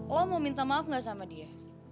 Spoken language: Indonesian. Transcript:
lo mau minta maaf gak sama dia